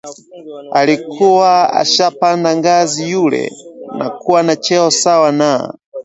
alikuwa ashapanda ngazi yule na kuwa na cheo sawa na